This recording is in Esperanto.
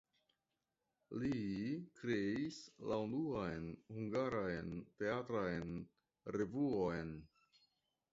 Li kreis la unuan hungaran teatran revuon.